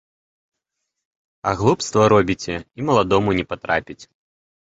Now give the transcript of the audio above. А глупства робіце, і маладому не патрапіць.